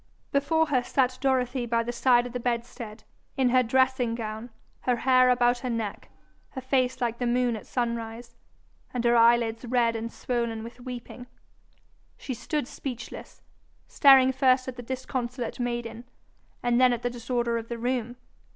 Before her sat Dorothy by the side of the bedstead, in her dressing gown, her hair about her neck, her face like the moon at sunrise, and her eyelids red and swollen with weeping. She stood speechless, staring first at the disconsolate maiden, and then at the disorder of the room.